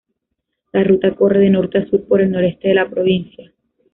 La ruta corre de norte a sur por el noreste de la provincia.